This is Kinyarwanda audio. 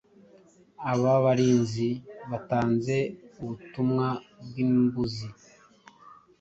Aba barinzi batanze ubutumwa bw’imbuzi,